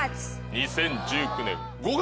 ２０１９年５月。